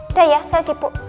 udah ya saya sipuk